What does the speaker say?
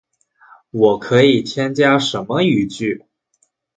我可以添加什么语句？